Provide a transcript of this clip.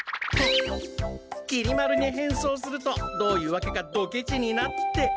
きり丸に変装するとどういうわけかドケチになって。